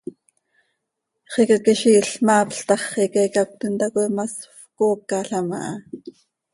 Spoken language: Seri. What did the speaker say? Xicaquiziil, maapl tax, xiica icacötim tacoi masfcoocalam aha.